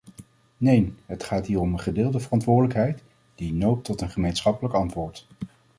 Neen: het gaat hier om een gedeelde verantwoordelijk, die noopt tot een gemeenschappelijk antwoord.